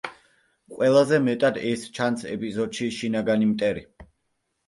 ყველაზე მეტად ეს ჩანს ეპიზოდში „შინაგანი მტერი“.